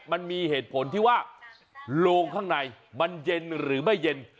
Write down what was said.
มันมีเหตุผลที่ว่าโลงข้างในมันเย็นหรือไม่เย็น